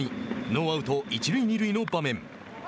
ノーアウト、一塁二塁の場面。